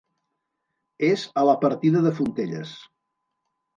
És a la partida de Fontelles.